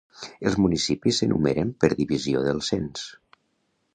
Els municipis s'enumeren per divisió del cens.